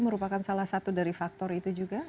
merupakan salah satu dari faktor itu juga